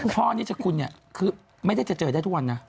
พ่อนี่คุณคือไม่ได้เจอได้ทุกวันนะ